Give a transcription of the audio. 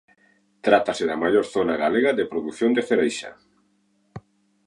Trátase da maior zona galega de produción de cereixa.